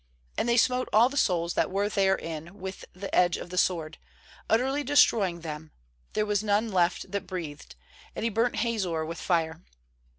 uAnd they smote all the souls that were therein with the edge of the sword, utterly destroying them; there was none left that breathed; and he burnt Hazor with fire.